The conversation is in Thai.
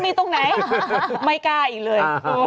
มีตรงไหนไม่กล้าอีกเลย